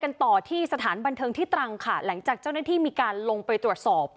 ต่อที่สถานบันเทิงที่ตรังค่ะหลังจากเจ้าหน้าที่มีการลงไปตรวจสอบ